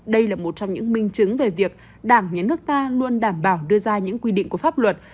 đây là một trong những minh chứng về việc đảng nhà nước ta luôn đảm bảo đưa ra những quy định của pháp luật